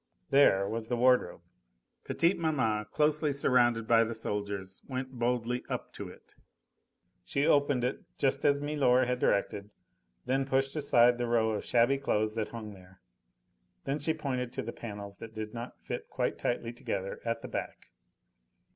There was the wardrobe. Petite maman, closely surrounded by the soldiers, went boldly up to it; she opened it just as milor had directed, and pushed aside the row of shabby clothes that hung there. Then she pointed to the panels that did not fit quite tightly together at the back.